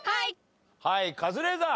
はいカズレーザー。